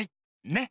ねっ。